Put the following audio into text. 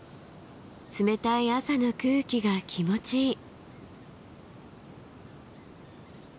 冷たい朝の空気が気持ちいい。